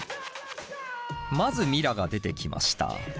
まずＭｉｒａが出てきました。